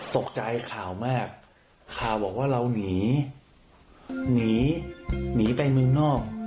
ข่าวมากข่าวบอกว่าเราหนีหนีหนีไปเมืองนอก